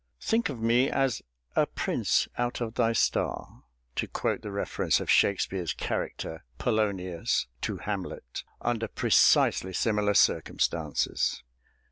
Think of me as "a prince out of thy star," to quote the reference of SHAKSPEARE'S character, Polonius, to Hamlet, under precisely similar circumstances.